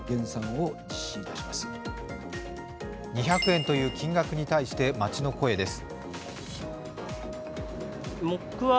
２００円という金額に対して街の声です。